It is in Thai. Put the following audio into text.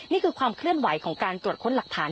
นี่คือความเคลื่อนไหวของการตรวจค้นหลักฐาน